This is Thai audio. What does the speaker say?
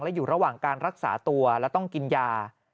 และอยู่ระหว่างการรักษาตัวและต้องกินยา